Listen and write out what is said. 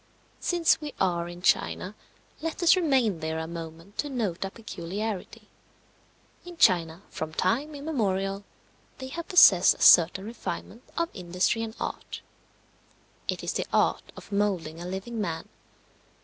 Since we are in China, let us remain there a moment to note a peculiarity. In China, from time immemorial, they have possessed a certain refinement of industry and art. It is the art of moulding a living man.